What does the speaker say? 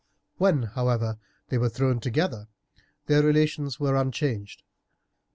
When, however, they were thrown together, their relations were unchanged.